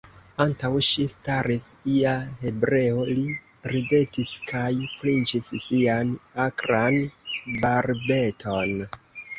Antaŭ ŝi staris ia hebreo, li ridetis kaj pinĉis sian akran barbeton.